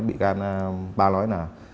bị can ba nói là